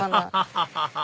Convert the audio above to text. ハハハハ！